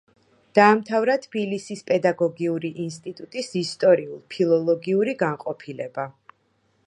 დაამთავრა თბილისის პედაგოგიური ინსტიტუტის ისტორიულ-ფილოლოგიური განყოფილება.